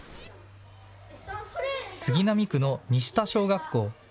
杉並区の西田小学校。